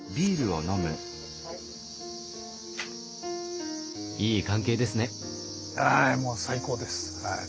はいもう最高です。